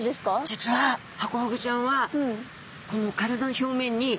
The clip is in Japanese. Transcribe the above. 実はハコフグちゃんはこの体の表面に毒があるんです。